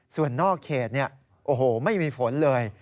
ส่วนนอกเขตเนี่ยโอ้โหไม่มีฝนเลย